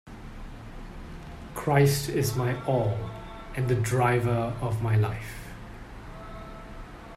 Christ is my all and the driver of my life.